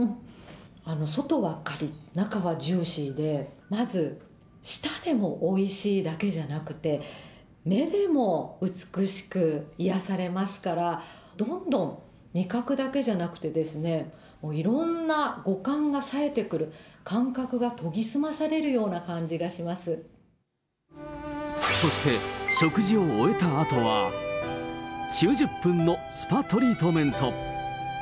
外はかりっ、中はジューシーで、まず舌でもおいしいだけじゃなくて、目でも美しく癒やされますから、どんどん味覚だけじゃなくてですね、もう、いろんな五感がさえてくる、感覚が研ぎ澄まされるような感じがしそして、食事を終えたあとは、９０分のスパトリートメント。